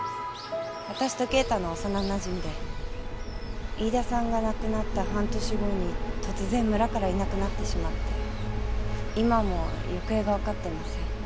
私と敬太の幼なじみで飯田さんが亡くなった半年後に突然村からいなくなってしまって今も行方がわかってません。